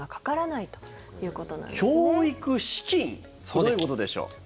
どういうことでしょう？